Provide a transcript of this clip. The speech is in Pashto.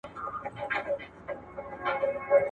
نوي محصولات ترې جوړ کړي.